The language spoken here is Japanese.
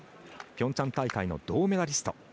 ピョンチャン大会の銅メダリスト。